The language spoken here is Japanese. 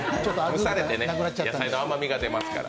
蒸されて、野菜の甘みが出ますから。